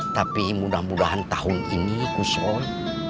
tapi mudah mudahan tahun ini khuson